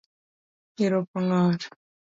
Iro opong’o ot